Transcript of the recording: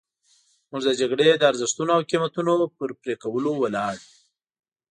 موږ د جګړې د ارزښتونو او قیمتونو پر پرې کولو ولاړ یو.